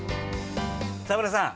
沢村さん